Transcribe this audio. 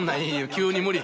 急に無理。